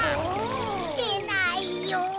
でないよ。